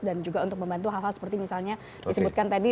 dan juga untuk membantu hal hal seperti misalnya disebutkan tadi